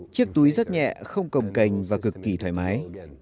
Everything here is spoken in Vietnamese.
chiếc túi rất nhẹ không còng cành và cực kỳ thoải mái